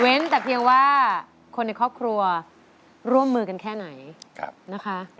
แต่เพียงว่าคนในครอบครัวร่วมมือกันแค่ไหนนะคะ